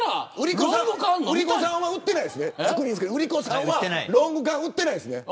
売り子さんはロング缶を売ってないんですよね。